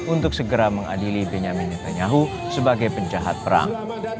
untuk segera mengadili benyamin penyahu sebagai penjahat perang